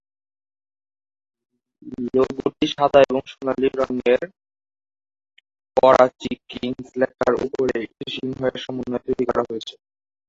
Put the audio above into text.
লোগোটি সাদা এবং সোনালী রংয়ের করাচি কিংস লেখার উপরে একটি সিংহ এর সমন্বয়ে তৈরী করা হয়েছে।